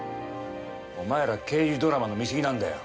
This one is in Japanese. お前ら刑事ドラマの見過ぎなんだよ。